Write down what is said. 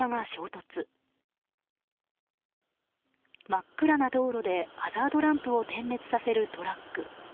真っ暗な道路でハザードランプを点滅させるトラック。